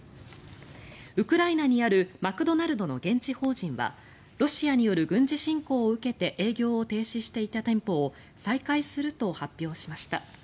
ウクライナにあるマクドナルドの現地法人はロシアによる軍事侵攻を受けて営業を停止していた店舗を再開すると発表しました。